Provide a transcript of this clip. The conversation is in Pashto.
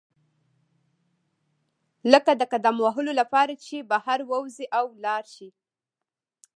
لکه د قدم وهلو لپاره چې بهر وزئ او لاړ شئ.